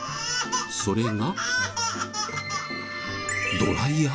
それが。